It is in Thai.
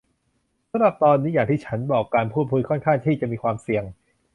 สำหรับตอนนี้อย่างที่ฉันบอก การพูดคุยค่อนข้างที่จะมีความเสี่ยง